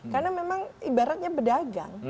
karena memang ibaratnya berdagang